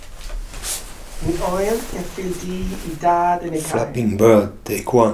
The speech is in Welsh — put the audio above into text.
Mi oedd ceffyl du ei dad yn y cae.